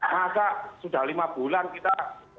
masa sudah lima bulan kita